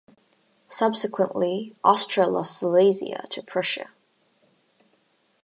Subsequently, Austria lost Silesia to Prussia.